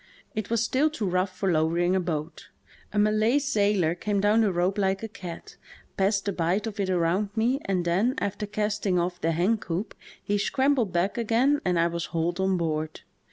It was still too rough for lowering a boat. A Malay sailor came down the rope like a cat, passed the bight of it around me, and then, after casting off the hen coop, he scrambled back again and I was hauled on board.